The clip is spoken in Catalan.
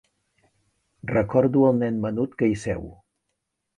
Recordo el nen menut que hi seu.